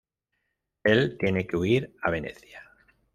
Él tiene que huir a Venecia.